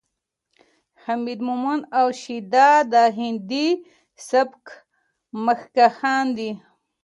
حمید مومند او شیدا د هندي سبک مخکښان دي.